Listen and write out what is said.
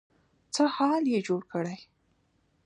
څه حال يې جوړ کړی.